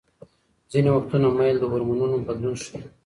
ځینې وختونه میل د هورمونونو بدلون ښيي.